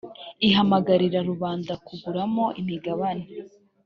ihamagarira rubanda kuguramo imigabane